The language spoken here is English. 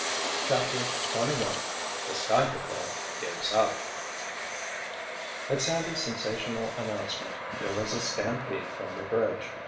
CHAPTER XXI THE SKY PATROL GIVES UP At Sandy's sensational announcement there was a stampede from the bridge.